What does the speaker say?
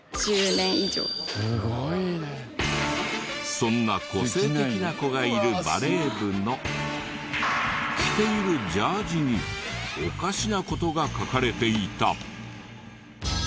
そんな個性的な子がいるバレー部の着ているジャージにおかしな事が書かれていた。